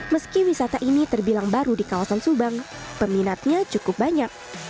meski wisata ini terbilang baru di kawasan subang peminatnya cukup banyak